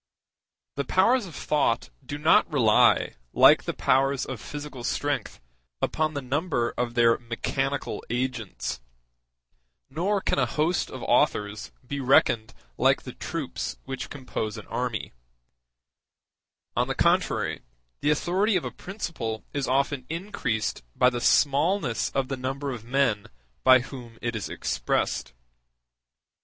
The powers of thought do not rely, like the powers of physical strength, upon the number of their mechanical agents, nor can a host of authors be reckoned like the troops which compose an army; on the contrary, the authority of a principle is often increased by the smallness of the number of men by whom it is expressed.